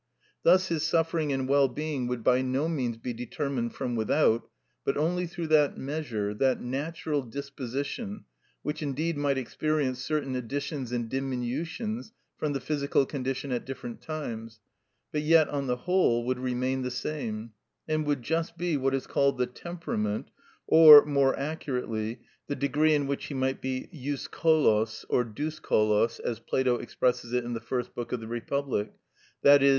Thus his suffering and well being would by no means be determined from without, but only through that measure, that natural disposition, which indeed might experience certain additions and diminutions from the physical condition at different times, but yet, on the whole, would remain the same, and would just be what is called the temperament, or, more accurately, the degree in which he might be ευκολος or δυσκολος, as Plato expresses it in the First Book of the Republic, _i.e.